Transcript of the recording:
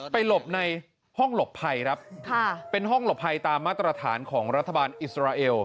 หลบในห้องหลบภัยครับค่ะเป็นห้องหลบภัยตามมาตรฐานของรัฐบาลอิสราเอล